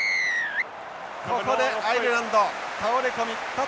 ここでアイルランド倒れ込み。